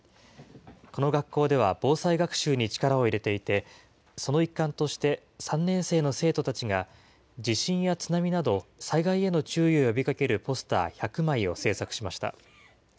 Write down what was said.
この学校では防災学習に力を入れていて、その一環として、３年生の生徒たちが、地震や津波など災害への注意を呼びかけるポスター１００枚を制作しました。